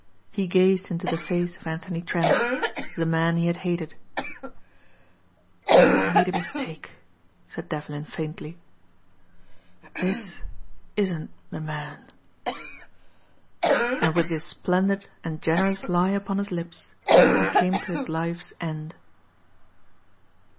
He gazed into the face of Anthony Trent, the man he had hated. "I made a mistake," said Devlin faintly. "This isn't the man." And with this splendid and generous lie upon his lips he came to his life's end.